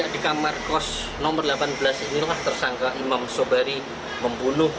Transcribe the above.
di kamar kos nomor delapan belas inilah tersangka imam sobari membunuh